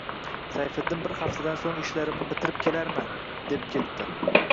Sayfiddin bir haftadan so‘ng ishlarimni bitirib kelarman, deb ketdi